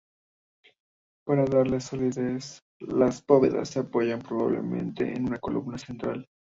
Para darle solidez, las bóvedas se apoyaban probablemente en una columna central.